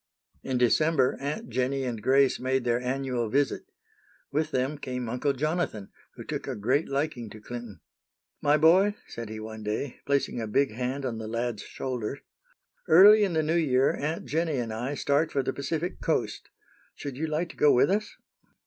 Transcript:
In December Aunt Jennie and Grace made their annual visit. With them came Uncle Jonathan, who took a great liking to Clinton. "My boy," said he one day, placing a big hand on the lad's shoulder, "early in the new year Aunt Jennie and I start for the Pacific Coast. Should you like to go with us?"